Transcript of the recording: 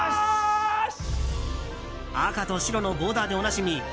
赤と白のボーダーでおなじみ